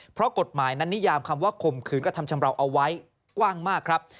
เพราะกฎหมายนั้นนิยามคำว่าข่มขืนกระทำชำราวเอาไว้กว้างมากครับ